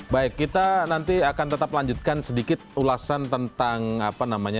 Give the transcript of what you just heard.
baik kita nanti akan tetap lanjutkan sedikit ulasan tentang apa namanya